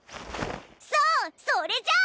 そうそれじゃ！